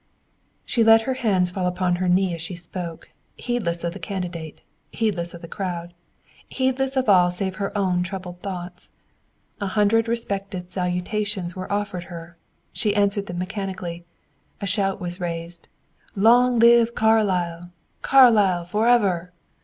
She let her hands fall upon her knee as she spoke, heedless of the candidate, heedless of the crowd, heedless of all save her own troubled thoughts. A hundred respected salutations were offered her; she answered them mechanically; a shout was raised, "Long live Carlyle! Carlyle forever!"